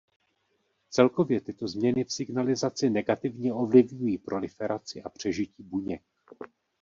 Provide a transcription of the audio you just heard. Celkově tyto změny v signalizaci negativně ovlivňují proliferaci a přežití buněk.